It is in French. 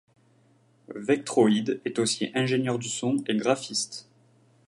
Vektroid est aussi ingénieur du son et graphiste.